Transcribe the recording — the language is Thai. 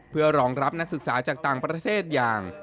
เพื่อรองรับนักศึกษาจากต่างประเทศอย่าง